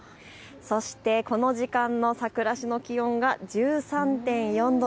そして、この時間の佐倉市の気温が１３．４度。